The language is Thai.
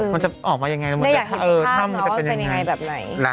มันจะออกมายังไงได้อยากเห็นธัมเนอะมันจะเป็นยังไงแบบไหน